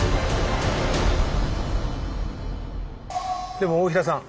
でも大平さん。